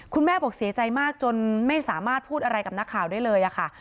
คุณแม่บอกเสียใจมากจนไม่สามารถพูดอะไรกับนักข่าวได้เลยค่ะ